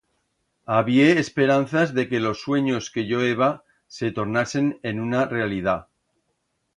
Habié esperanzas de que los suenyos que yo heba se tornasen en una realidat.